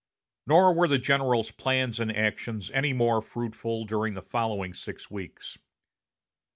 Nor were the general's plans and actions any more fruitful during the following six weeks.